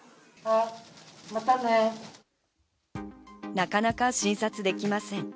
なかなか診察できません。